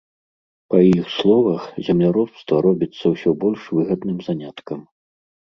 Па іх словах, земляробства робіцца ўсё больш выгадным заняткам.